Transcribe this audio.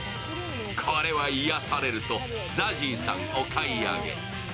これは癒やされるとＺＡＺＹさんお買い上げ。